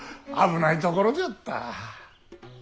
危ないところじゃった。